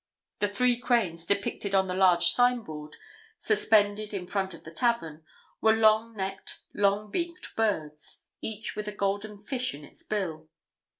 The Three Cranes depicted on the large signboard, suspended in front of the tavern, were long necked, long beaked birds, each with a golden fish in its bill.